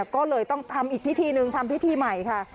ก็เลยต้องทำอีกพิธีหนึ่งทำพิธีใหม่ค่ะ